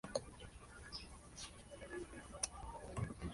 Todas las anexiones húngaras fueron declaradas nulas en la posguerra.